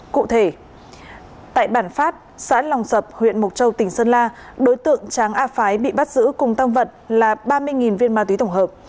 cụ thể tại bản phát xã lòng sập huyện mộc châu tỉnh sơn la đối tượng tráng a phái bị bắt giữ cùng tăng vật là ba mươi viên ma túy tổng hợp